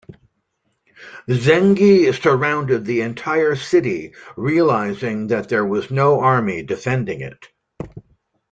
Zengi surrounded the entire city, realizing that there was no army defending it.